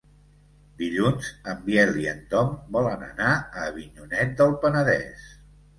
Dilluns en Biel i en Tom volen anar a Avinyonet del Penedès.